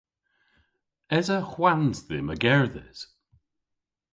Esa hwans dhymm a gerdhes?